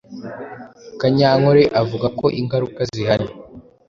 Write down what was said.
Kanyankore avuga ko ingaruka zihari